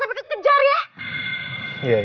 ada warna tembar dong kok